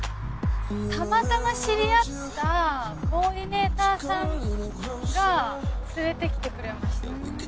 たまたま知り合ったコーディネーターさんが、連れてきてくれました。